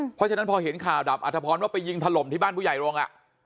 เพราะฉะนั้นพอเห็นข่าวดับอัธพรว่าไปยิงถล่มที่บ้านผู้ใหญ่โรง